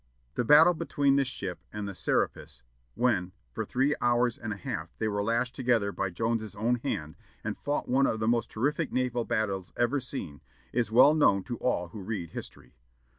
The battle between this ship and the Serapis, when, for three hours and a half, they were lashed together by Jones' own hand, and fought one of the most terrific naval battles ever seen, is well known to all who read history.